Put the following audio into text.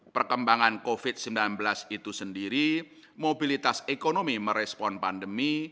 perkembangan covid sembilan belas itu sendiri mobilitas ekonomi merespon pandemi